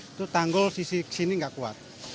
itu tanggul sisi kesini gak kuat